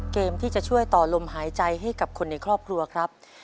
เกมที่จะช่วยต่อลมหายใจให้กับคนในครอบครัวครับ